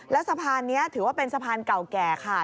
แล้วสะพานนี้ถือว่าเป็นสะพานเก่าแก่ค่ะ